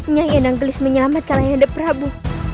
nyai dan anggelis menyelamatkan ayahanda prabu